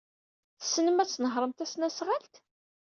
Tessnem ad tnehṛem tasnasɣalt?